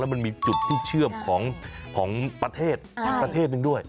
มันมีจุดที่เชื่อมของประเทศอีกประเทศหนึ่งด้วย